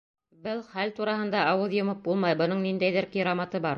— Был хәл тураһында ауыҙ йомоп булмай, бының ниндәйҙер кираматы бар!